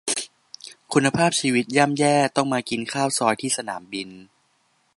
คุณภาพชีวิตย่ำแย่ ต้องมากินข้าวซอยที่สนามบิน